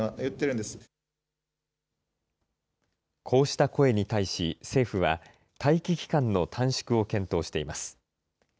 こうした声に対し、政府は、待機期間の短縮を検討しています。